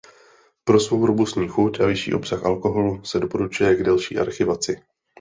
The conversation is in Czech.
Pro svou robustní chuť a vyšší obsah alkoholu se doporučuje k delší archivaci.